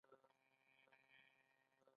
د ما سترګو ته ځیر شه